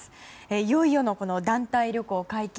いよいよ、団体旅行の解禁。